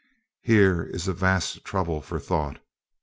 Here is a vast trouble for thought.